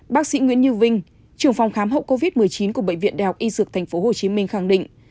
bác sĩ nguyễn như vinh trưởng phòng khám hậu covid một mươi chín của bệnh viện đại học y dược tp hcm khẳng định